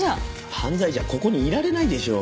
犯罪じゃここにいられないでしょう。